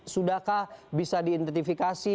sudahkah bisa diidentifikasi